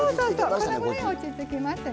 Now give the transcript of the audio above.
このぐらい落ち着きますね。